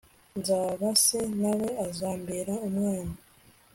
nzaba se, nawe azambera umwana